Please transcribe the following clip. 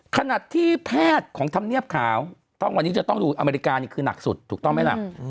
ขนาดที่แพทย์ของธรรมเนียบขาววันนี้จะต้องดูอเมริกานี่คือหนักสุดถูกต้องไหมล่ะ